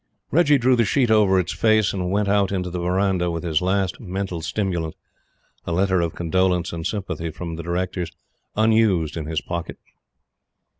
Reggie drew the sheet over Its face, and went out into the verandah, with his last "mental stimulant" a letter of condolence and sympathy from the Directors unused in his pocket.